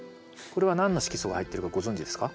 これは何の色素が入ってるかご存じですか？